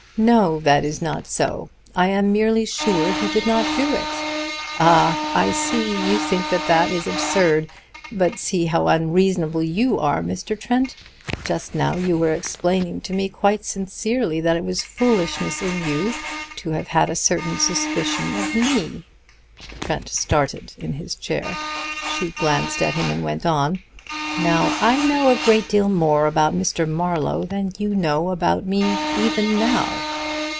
No, that is not so. I am merely sure he did not do it. Ah! I see you think that absurd. But see how unreasonable you are, Mr. Trent! Just now you were explaining to me quite sincerely that it was foolishness in you to have had a certain suspicion of me." Trent started in his chair. She glanced at him, and went on: "Now I know a great deal more about Mr. Marlowe than you know about me even now.